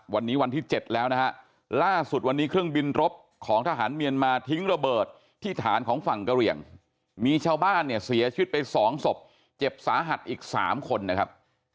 วันนี้วันที่๗แล้วนะฮะล่าสุดวันนี้เครื่องบินรบของทหารเมียนมาทิ้งระเบิดที่ฐานของฝั่งกะเหลี่ยงมีชาวบ้านเนี่ยเสียชีวิตไป๒ศพเจ็บสาหัสอีก๓คนนะครับ